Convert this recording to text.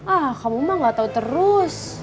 ah kamu mah gak tau terus